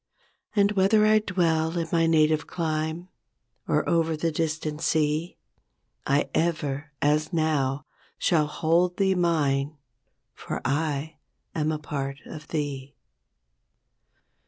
And whether I dwell in my native clime, Or over the distant sea, I ever, as now, shall hold thee mine. For I am a part of thee.